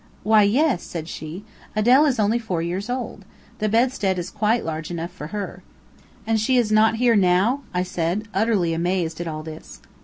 'Why, yes,' said she, 'Adele is only four years old. The bedstead is quite large enough for her.' 'And she is not here now?' I said, utterly amazed at all this.